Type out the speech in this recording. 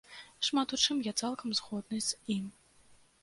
Шмат у чым я цалкам згодны з ім.